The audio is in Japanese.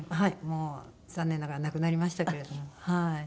もう残念ながら亡くなりましたけれどもはい。